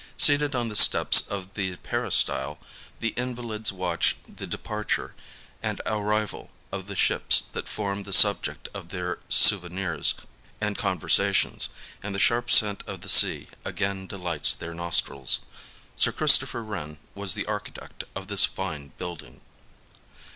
Seated on the steps of the peristyle, the invalids watch the departure and arrival of the ships that form the subject of their souvenirs and conversations, and the sharp scent of the sea again de lights their nostrils. Sir Christopher Wren was the archi tect of this fine building.